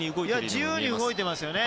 自由に動いていますね。